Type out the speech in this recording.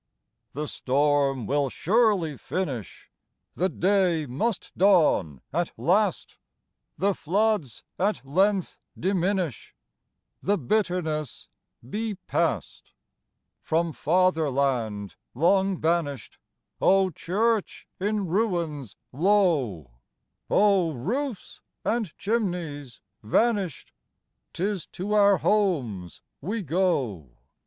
The storm will surely finish, The day must dawn at last, The floods at length diminish, The bitterness be past. From Fatherland long banished (Oh, church in ruins low! Oh, roofs and chimneys vanished!) 'Tis to our homes we go!